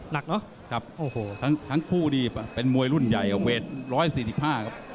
หนักเนอะครับโอ้โหทั้งคู่นี่เป็นมวยรุ่นใหญ่เวท๑๔๕ครับ